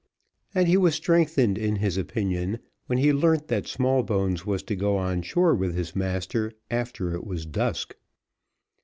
And he was strengthened in his opinion, when he learnt that Smallbones was to go on shore with his master after it was dusk.